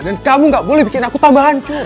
dan kamu gak boleh bikin aku tambah hancur